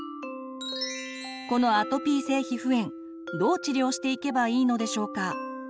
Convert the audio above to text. このアトピー性皮膚炎どう治療していけばいいのでしょうか？